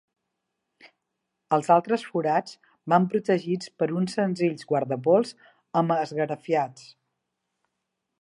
Els altres forats van protegits per uns senzills guardapols amb esgrafiats.